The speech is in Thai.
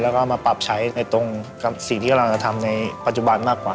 แล้วก็มาปรับใช้ในตรงกับสิ่งที่กำลังจะทำในปัจจุบันมากกว่า